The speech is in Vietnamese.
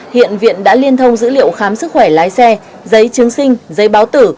hiện viện đã liên thông dữ liệu khám sức khỏe lái xe giấy chứng sinh giấy báo tử